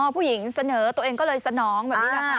ผู้หญิงเสนอตัวเองก็เลยสนองแบบนี้แหละค่ะ